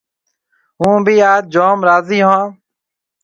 هُون ڀِي آج جوم راضِي هون۔